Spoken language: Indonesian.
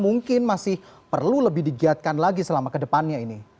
mungkin masih perlu lebih digiatkan lagi selama kedepannya ini